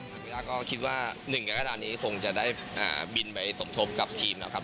วิราก็คิดว่า๑กรกฎานี้คงจะได้บินไปสมทบกับทีมนะครับ